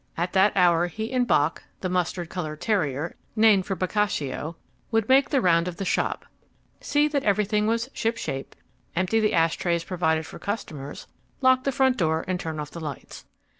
At that hour he and Bock (the mustard coloured terrier, named for Boccaccio) would make the round of the shop, see that everything was shipshape, empty the ash trays provided for customers, lock the front door, and turn off the lights.